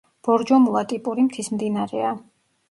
ბორჯომულა ტიპური მთის მდინარეა.